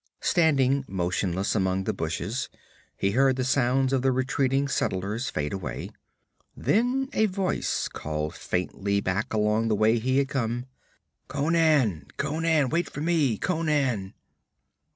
Standing motionless among the bushes he heard the sounds of the retreating settlers fade away. Then a voice called faintly back along the way he had come: 'Conan! Conan! Wait for me, Conan!'